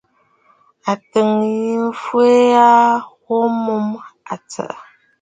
Àtsə̀ʼə̀ yî fwɛ̀ a wo mə tsɔ̀ʼɔ̀.